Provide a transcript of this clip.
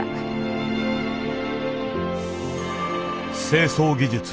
清掃技術